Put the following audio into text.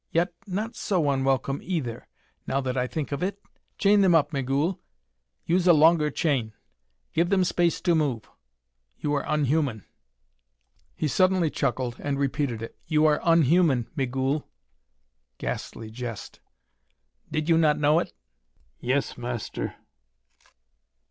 "Yet not so unwelcome, either, now that I think of it. Chain them up, Migul; use a longer chain. Give them space to move; you are unhuman." He suddenly chuckled, and repeated it: "You are unhuman, Migul!" Ghastly jest! "Did not you know it?" "Yes, Master."